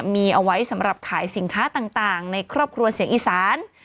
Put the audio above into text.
มีเอาไว้สำหรับขายสินค้าต่างในครอบครัวเสียงอีสาน